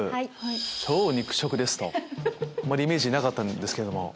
「超肉食です」とあまりイメージなかったんですけども。